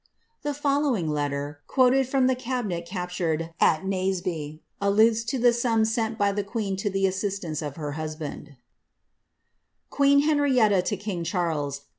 i The following letter, quoted from the cabinet captured at Nasebjf , alludes to the sums sent by the queen to the assistance of her kai* band: — Quiiv HsvmiiTTA TO Kijrs Cbaelss.'